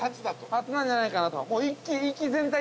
◆初なんじゃないかなと。